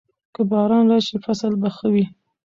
که باران راشي، فصل به ښه وي.